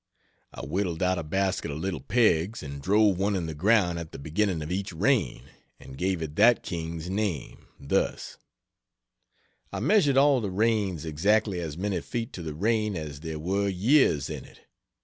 I whittled out a basket of little pegs and drove one in the ground at the beginning of each reign, and gave it that King's name thus: I measured all the reigns exactly as many feet to the reign as there were years in it.